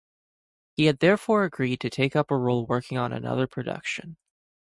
He had therefore agreed to take up a role working on another production.